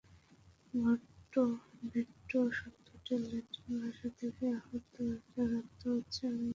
Veto শব্দটি Latin ভাষা থেকে আহুত, যার অর্থ হচ্ছে "আমি মানি না"।